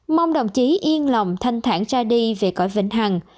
mong đồng chí yên lòng thanh thản ra đi về cõi vĩnh hằng